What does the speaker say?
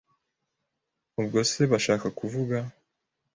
Ubwo se bashaka kuvuga